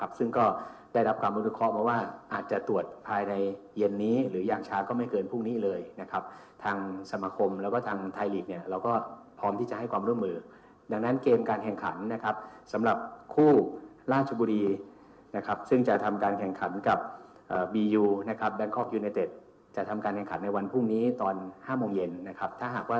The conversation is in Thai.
ซึ่งก็ได้รับความรู้เคราะห์มาว่าอาจจะตรวจภายในเย็นนี้หรือยางช้าก็ไม่เกินพรุ่งนี้เลยนะครับทางสมาคมแล้วก็ทางไทยลีกเนี่ยเราก็พร้อมที่จะให้ความร่วมมือดังนั้นเกมการแข่งขันนะครับสำหรับคู่ราชบุรีนะครับซึ่งจะทำการแข่งขันกับบียูนะครับแบงคอกยูเนเต็ดจะทำการแข่งขันในวันพรุ่งนี้ตอน๕โมงเย็นนะครับถ้าหากว่า